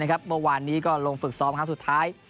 เมื่อวานนี้ก็ลงฝึกซ้อมครั้งสุดท้าย